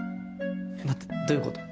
待ってどういうこと？